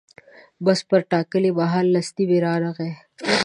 بس پر ټاکلي مهال لس نیمې رانغی.